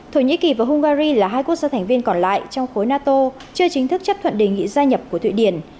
thổ nhĩ kỳ và hungary là hai quốc gia thành viên còn lại trong khối nato chưa chính thức chấp thuận đề nghị gia nhập của thụy điển